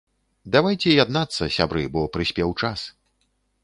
Давайце яднацца, сябры, бо прыспеў час.